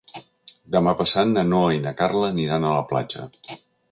Demà passat na Noa i na Carla aniran a la platja.